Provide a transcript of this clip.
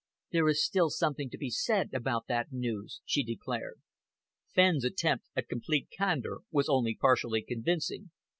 "There is still something to be said about that news," she declared. Fenn's attempt at complete candour was only partially convincing.